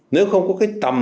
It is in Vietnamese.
nếu không có cái tầm